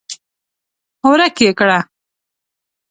ورک يې کړه!